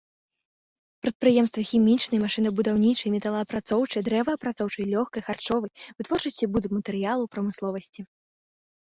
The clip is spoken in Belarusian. Прадпрыемствы хімічнай, машынабудаўнічай, металаапрацоўчай, дрэваапрацоўчай, лёгкай, харчовай, вытворчасці будматэрыялаў прамысловасці.